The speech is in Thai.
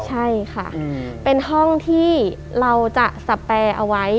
ใช่ค่ะเป็นห้องที่เราจะสแปรเอาไว้